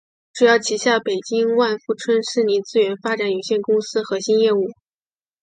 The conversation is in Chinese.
主要旗下北京万富春森林资源发展有限公司核心业务。